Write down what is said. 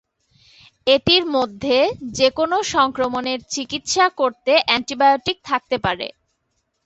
এটির মধ্যে যেকোন সংক্রমণের চিকিৎসা করতে অ্যান্টিবায়োটিক থাকতে পারে।